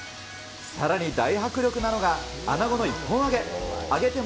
さらに大迫力なのが、アナゴの一本揚げ。